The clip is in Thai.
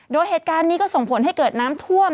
โดยเหตุการณ์นี้ก็ส่งผลให้เกิดน้ำท่วม